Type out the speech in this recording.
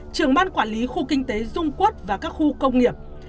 trưởng ban quản lý khu kinh tế dung quốc và các khu công nghiệp